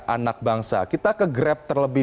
anak bangsa kita ke grab terlebih